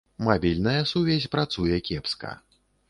Мабільная сувязь працуе кепска.